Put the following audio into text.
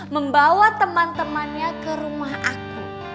membawa temen temennya ke rumah aku